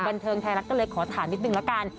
บันเทิงไทยรัฐก็เลยขอถามนิดนึงละกัน